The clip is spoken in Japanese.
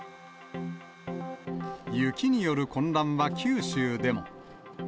雪による混乱は九州でも。